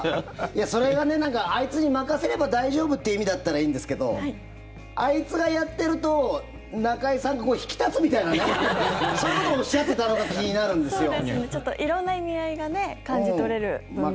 それが、あいつに任せれば大丈夫って意味だったらいいんですけどあいつがやってると中居さん、引き立つみたいなそういうことをおっしゃっていたのか気になるんですよ。